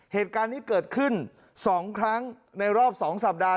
เหตุการณ์นี้เกิดขึ้น๒ครั้งในรอบ๒สัปดาห์